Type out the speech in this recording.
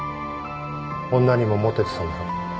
女にもモテてたんだろ？